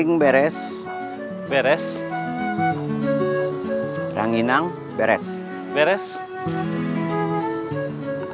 kenapa setelah minggu enggak setulung